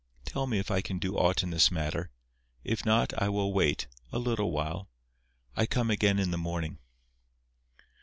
Tell me if I can do aught in this matter. If not, I will wait—a little while. I come again in the morning."